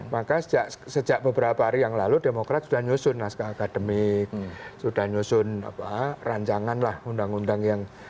maka sejak beberapa hari yang lalu demokrat sudah nyusun naskah akademik sudah nyusun rancangan lah undang undang yang